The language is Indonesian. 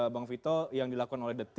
bang vito yang dilakukan ini adalah yang mana